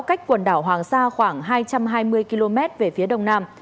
cách quần đảo hoàng sa khoảng hai trăm hai mươi km về phía đông nam